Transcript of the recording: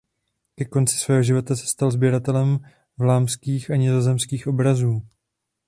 Ke konci svého života se stal sběratelem vlámských a nizozemských obrazů.